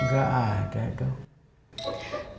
gak ada dong